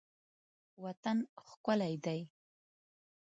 وطن ښکلی دی.